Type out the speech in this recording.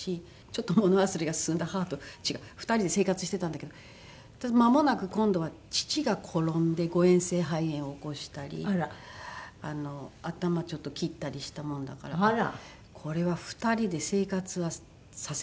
ちょっと物忘れが進んだ母と父が２人で生活してたんだけどまもなく今度は父が転んで誤嚥性肺炎を起こしたり頭ちょっと切ったりしたもんだからこれは２人で生活はさせられないなと思って。